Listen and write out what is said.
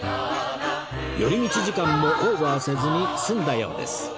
寄り道時間もオーバーせずに済んだようです